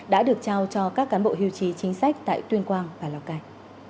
đã được trao cho các cán bộ hiệu trí chính sách tại tuyên quang và lào cài